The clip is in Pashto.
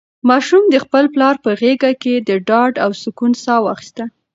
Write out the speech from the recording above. ماشوم د خپل پلار په غېږ کې د ډاډ او سکون ساه واخیسته.